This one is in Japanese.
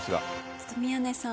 ちょっと宮根さん。